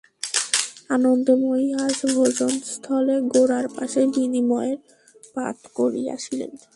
আনন্দময়ী আজ ভোজনস্থলে গোরার পাশেই বিনয়ের পাত করিয়াছিলেন।